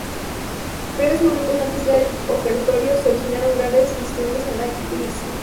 Breves momentos antes del ofertorio, se originaron graves disturbios en la elipse.